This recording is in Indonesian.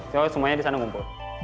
jadi semuanya di sana kumpul